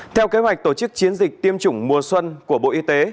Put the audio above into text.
theo kế hoạch tổ chức chiến dịch tiêm chủng mùa xuân của bộ y tế